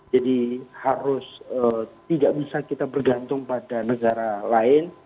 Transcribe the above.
jadi harus tidak bisa kita bergantung pada negara lain